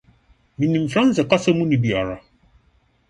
Minnim Franse kasa muni biara.